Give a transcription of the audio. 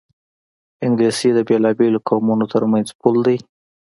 انګلیسي د بېلابېلو قومونو ترمنځ پُل دی